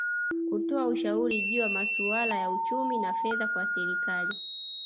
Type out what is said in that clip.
Kutoa ushauri juu ya masuala ya uchumi na fedha kwa Serikali